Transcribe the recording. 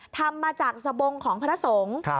ทำมาจากสบงของพระสงฆ์